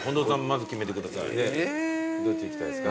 まず決めてください。